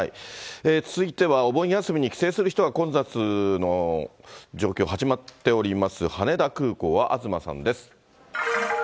続いてはお盆休みに帰省する人が混雑の状況が始まっております、羽田空港は東さんです。